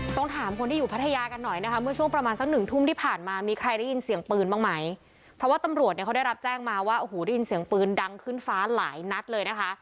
ต้องถามคนที่อยู่พัทยากันหน่อยนะคะเมื่อช่วงประมาณสักหนึ่งทุ่มที่ผ่านมามีใครได้ยินเสียงปืนบ้างไหมเพราะว่าตำรวจเนี่ยเขาได้รับแจ้งมาว่าโอ้โหได้ยินเสียงปืนดังขึ้นฟ้าหลายนัดเลยนะคะ